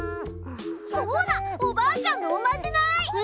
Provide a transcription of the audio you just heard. そうだおばあちゃんのおまじない。